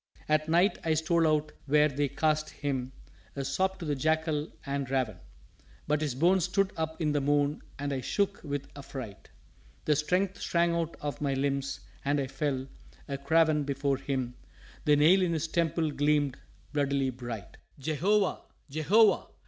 At night I stole out where they cast him, a sop to the jackal and raven. But his bones stood up in the moon and I shook with affright. The strength shrank out of my limbs and I fell, a craven, Before him the nail in his temple gleamed bloodily bright. Jehovah! Jehovah!